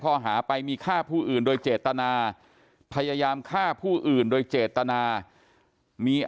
ข้อหาไปมีฆ่าผู้อื่นโดยเจตนาพยายามฆ่าผู้อื่นโดยเจตนามี